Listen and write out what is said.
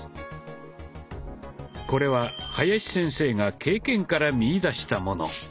これは林先生が経験から見いだしたもの。